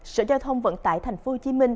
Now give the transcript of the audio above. sở giao thông vận tải tp hcm